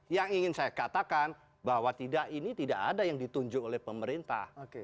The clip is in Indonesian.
yang ingin saya katakan bahwa tidak ini tidak ada yang ditunjuk oleh pemerintah